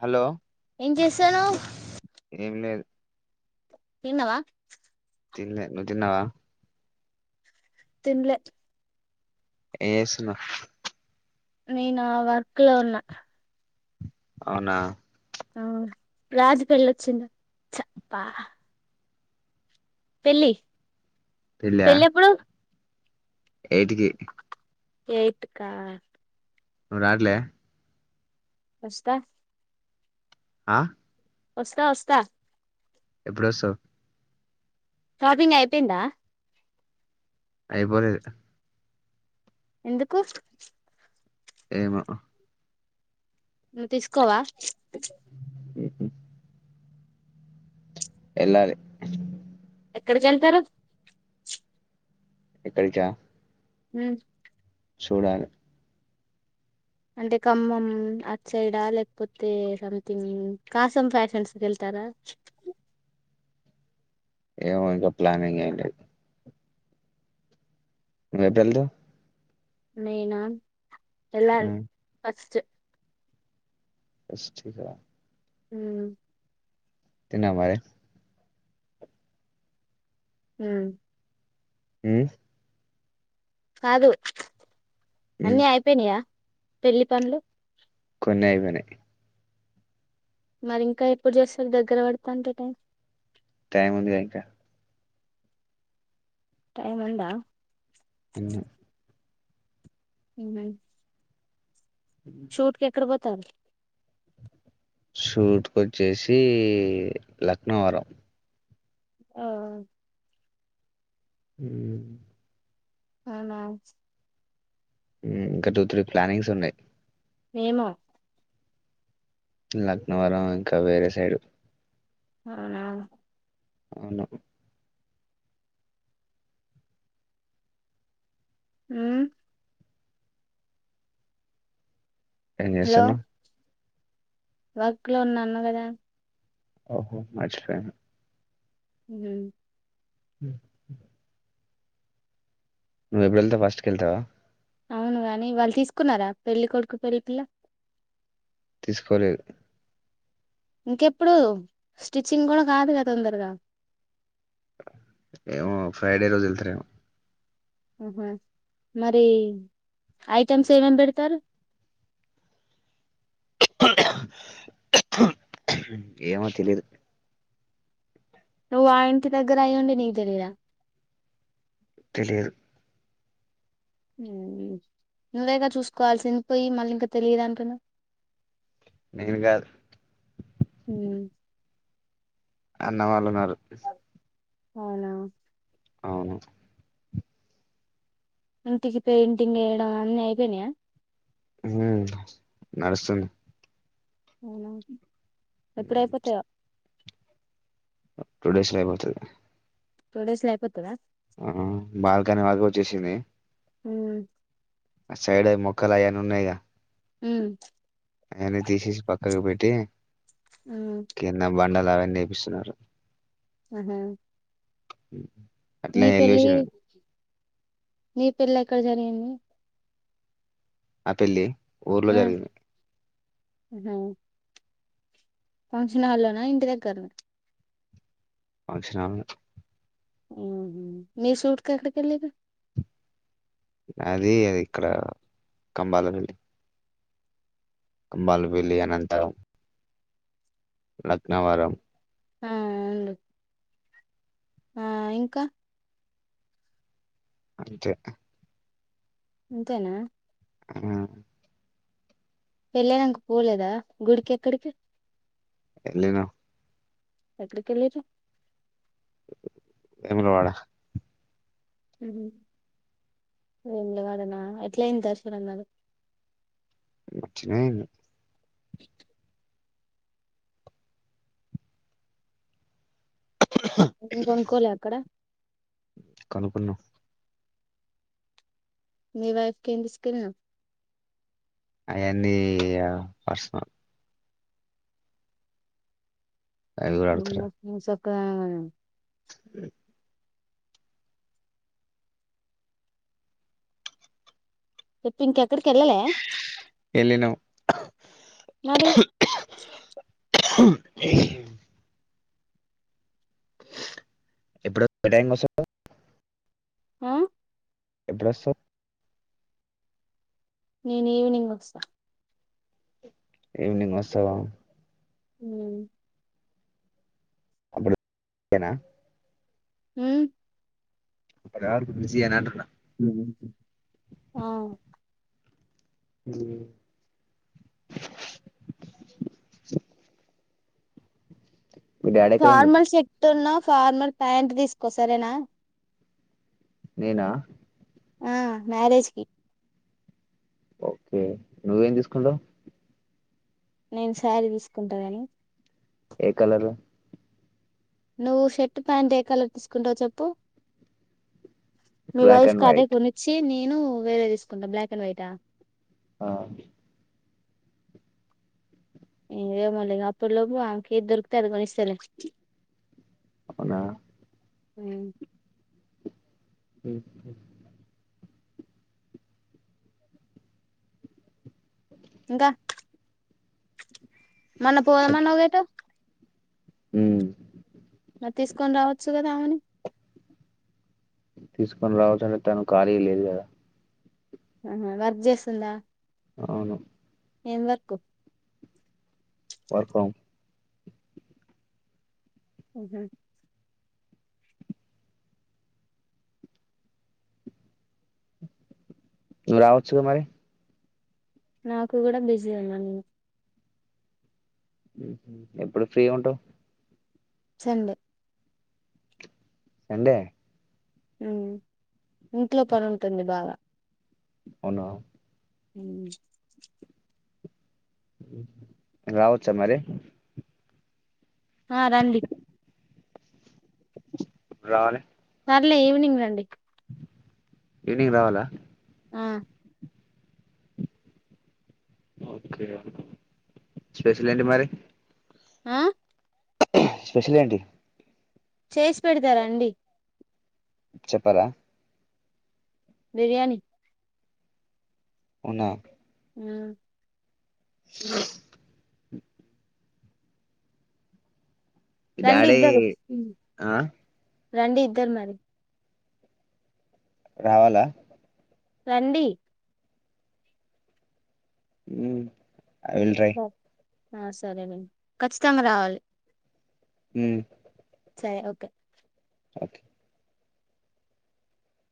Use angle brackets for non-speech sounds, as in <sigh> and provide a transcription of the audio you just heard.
hello ఏం చేస్తాన్నవు ఏం లేదు తిన్నవా తిన్లె నువ్వు తిన్నవా తిన్లే ఏం చేస్తున్నవ్ నేనా వర్క్ లో ఉన్న అవునా అవును రాజుపెళ్ళి వచ్చిందా చప్ప పెళ్ళి పెళ్ళి ఎప్పుడు ఎయిట్ కి ఎయిట్కా నువ్వు రాట్లే వస్తా ఆ వస్తా వస్తా ఎప్పుడొస్తవ్ షాపింగ్ అయిపోయిందా అయిపోలేదు ఎందుకు ఏమో నువ్వు తీసుకోవా ఉహ్మ్ ఎల్లాలి ఎక్కడికి వెళ్తారు ఎక్కడికా ఉమ్ చూడాలి అంటే ఖమ్మం అట్ సైడా లేకపోతే సంథింగ్ కాసం ఫ్యాషన్స్కి వెళ్తరా ార ఏమో ఇంకా ప్లానింగ్ ఏం లేదు <unintelligible> నేనా ఎల్లాలి ఫస్ట్ ఫస్ట్కా హ తిన్నవా మరి ఉమ్ ఉమ్ కాదు ఉమ్ అన్నీ అయిపోయినయా పెళ్లి పనులు కొన్నే అయిపోయినయి మరి ఇంకా ఎప్పుడు చేస్తారు దగ్గర పడతా అంటే టైం టై ఉంది అ ఇకా టైమ్ ఉందా అన్న ఉ షూట్ క ఎక్కడ పోతారు షూట్కొచ్చేసి లక్నో వరం ఆ హ అవునా ఇంకా టూ త్రీ ప్లానింగ్స్ ఉన్నాయి మేము లక్నవరం ఇంకా వేరే సైడు అవునా అవును అ హలో ఎన్సన్న వర్క్ లో ఉన్నాన్న కదా ఓహో మంచి ఫ హ నువ్ ఏబ్రిల్ ద ఫస్ట్ కళ్తావా అవును గాని వాళ్ళు తీసుకున్నారా పెళ్లి కొడుకు పెళ్లిి పిల్ల తీసుకోలేదు ఇంకెప్పుడు స్టిచ్చింగ్ కూడా కాదు కదా తొందరగా ఏమో ఫ్రైడే రోజు వెళ్తారేమో ఆహా మరి ఐటమ్స్ ఏమేమి పెడతారు ఏమో తెలీదు నువ్వు ఆ ఇంటి దగ్గర అయ్యండి నీకు తెలిరా లేదు నువ్వేగా చూసుకోవాల్సింది పోయి మళ్ళీ ఇంకా తెలియదు అంటున్నా నేను కాదు అన్న వాళ్ళు ఉన్నారు అవునా అవు ఇంటికి పెయింటింగ్ వేయడం అన్నీ అయిపోనాయా హ నడుస్తుంది అవున ఎప్పుడ అయిపోతావా టూ డేస్ యిపోవుతుది ోడసు యిపోతు రా ఆ బాల్కాని వాకు వచ్చేసింది హ సైడ మొకలను న హ ఆయనే తీసేసి పక్కకి పెట్టి ఆ ఉండలా అవని నేపిస్తున్నారు ఆహా అట్లా నీ పెళ్ళి వెల్షిన నీ పెళ్లి ఎక్కడ జరిగింది నా పెళ్లి ఊర్లో జరిగింది హ ఫంక్షన్ హాల్లోన ఇంటి దగ్గర నా ఫంక్షన్ <unintelligible> ఆహ మీ <unintelligible> అది అది ఇక్కడ కంబాల వెల్లి <unintelligible> అనంత లక్నవరం ఆ ఆ ఇంక <unintelligible> అంతేన ఆ పెళ్లి అయినంక పోలేదా గుడికి ఎక్కడికి ఎల్లిన ఎక్కడకి ఎల్లరు వేములవాడ హు వేములవాడ వాడన ఎట్లా అయింది <unintelligible> <unintelligible> ఇ ఏం కొనుక్కోలే అక్కడ <unintelligible> మీ వైఫ్ కి ఎంతీసుకునావ్ అవన్నీ పర్సనల్ అవి కూడా అడుగుతారా <unintelligible> <unintelligible> ఇంకెక్కడికి వెళ్ళలే ఎల్లినం మరి ఎప్పుడు <unintelligible> ఆ <unintelligible> నేను ఈవినింగ్ వస్త ఈవినింగ్ వస్తావ హు అప్పుడు <unintelligible> న హు అట్ల కాదు బిజీన అని అంటున్న ఆ ఉ మీ డాడీ ఎక్కడ ఉండు ఫార్మల్ షర్ట్ అన్న ఫార్మల్ ప్యాంట్ తీసుకో సరేన నేన ఆ మ్యారేజ్ కి ఒకే నువ్వేం తీసుకుంటావ్ నేను శారీ తీసుకుంటాగని ఎ కలరు నువ్వు షర్టు ప్యాంట్ ఏ కలర్ తీసుకుంటావు చెప్పు మీ బ్లాక్ వైఫ్ అండ్ వైట్ కదేకొనిచ్చి నేను వేరే తీసుకుంటా బ్లాక్ అండ్ వైటా ఆ ఏదో మళ్ళీ అప్పుడులోపు ఆమెకి ఏది దొరుకుతే అది కొనిస్తలే అవునా అ హ్మ్ ఇంకా మొన్న పోదామన్నవు కద హ్మ్ మరి తీసుకొని రావచ్చు కదా ఆమెని తీసుకొని రావచ్చంటే తను ఖాళీ లేదు కదా ఆహ వర్క్ చేస్తుందా అవును ఏం వర్కు వర్క్ ఫ్రం ఊహూ నువ్వు రావచ్చుగా మరి నాకు కూడా బిజీ ఉన్నా నేను ఎప్పుడు ఫ్రీ ఉంటవ్ సండే సండే హ్మ్ ఇంట్లో పని ఉంటుంది బాగా అవునా హ్మ్ రావచ్చా మరి ఆ రండి రావాలి సర్లే ఈవినింగ్ రండి ఈవినింగ్ రావాల ఆ ఓకే స్పెషల్ ఏంటి మరి ఆ స్పెషల్ ఏంటి చేసి పెడతా రండి చెప్పరా బిర్యానీ అవునా హ్మ్ అ రండి డాడీ ఇద్దరు ఆ రండి ఇద్దరు మరి రావాలా రండి హ్మ్ ఆ సరే లే ఖచ్చితంగా రావాలి హ్మ్ సరే ఓకే ఓకే